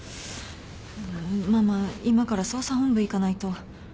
ママ今から捜査本部行かないと。